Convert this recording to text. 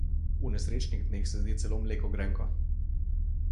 V nesrečnih dneh se zdi celo mleko grenko.